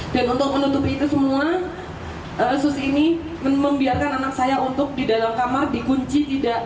dan untuk menutupi itu semua sus ini membiarkan anak saya untuk di dalam kamar dikunci